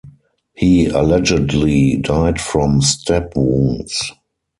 He allegedly died from stab wounds.